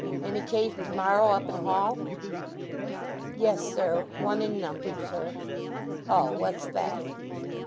Any case tomorrow up in Hall?" "Yes, sir. One in number, sir." "Oh, what's that?"